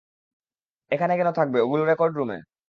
এখানে কেন থাকবে, ওগুলো রেকর্ড রুমে।